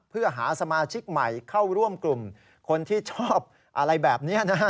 เพื่อหาสมาชิกใหม่เข้าร่วมกลุ่มคนที่ชอบอะไรแบบนี้นะฮะ